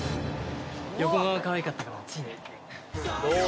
「横顔かわいかったからついね！」